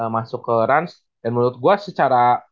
masuk ke rans dan menurut gue secara